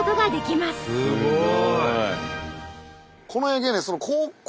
すごい！